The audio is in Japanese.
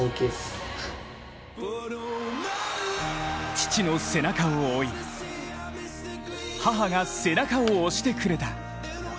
父の背中を追い母が背中を押してくれた。